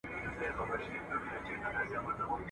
بلا له خپلي لمني پورته کېږي.